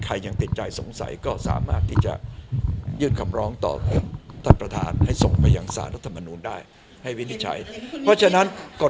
ใครใจสงสัยก็สามารถยื่นข่ำร้องต่อท่านประธาน